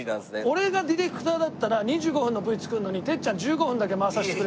俺がディレクターだったら２５分のＶ作るのにてっちゃん１５分だけ回させてくれって。